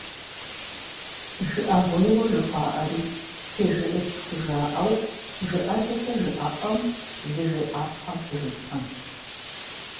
Жыӏэгъуейуэ жыхуаӏэри, тежыӏыкӏ хужыӏэу жыӏэкӏэкӏэ жыӏэпӏэм зыжеӏапхъэм щыжесӏэнщ.